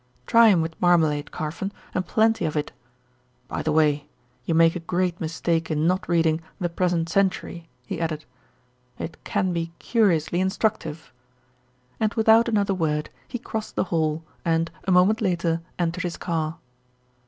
Try him with marmalade, Carfon, and plenty of it. By the way, you make a great mistake in not reading The Present Century," he added. "It can be curiously instructive," and without another word he crossed the hall and, a moment later, entered his car.